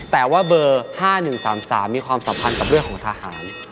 แต่ว่าเบอร์๕๑๓๓มีความสัมพันธ์กับเรื่องของทหาร